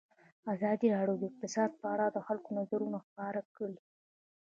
ازادي راډیو د اقتصاد په اړه د خلکو نظرونه خپاره کړي.